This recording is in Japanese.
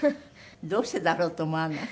どうしてだろうと思わない？